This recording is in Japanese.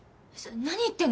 何言ってんの？